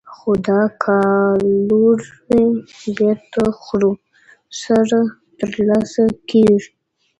خو دا کالوري بېرته خوړو سره ترلاسه کېږي.